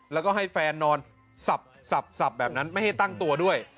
แล้วก็ให้แฟนนอนสับแบบนั้นไม่ให้ตั้งตัวด้วย